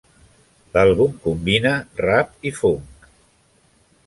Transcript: L'àlbum combina rap i funk.